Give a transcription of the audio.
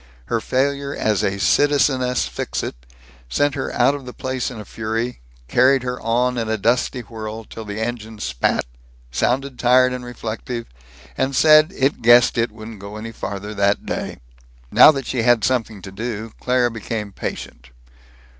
Her failure as a Citizeness Fixit sent her out of the place in a fury, carried her on in a dusty whirl till the engine spat, sounded tired and reflective, and said it guessed it wouldn't go any farther that day. Now that she had something to do, Claire became patient.